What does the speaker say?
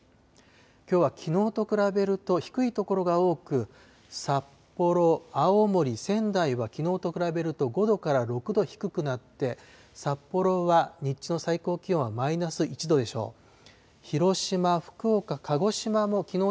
きょうはきのうと比べると低い所が多く、札幌、青森、仙台は、きのうと比べると５度から６度低くなって、札幌は日中の最高気温はマイナス１度でしょう。